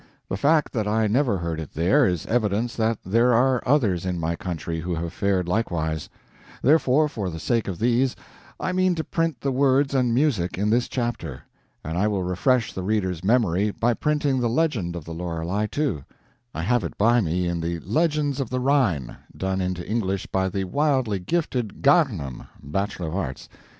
The fact that I never heard it there, is evidence that there are others in my country who have fared likewise; therefore, for the sake of these, I mean to print the words and music in this chapter. And I will refresh the reader's memory by printing the legend of the Lorelei, too. I have it by me in the LEGENDS OF THE RHINE, done into English by the wildly gifted Garnham, Bachelor of Arts.